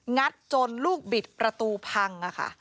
ัดจนลูกบิดประตูพัง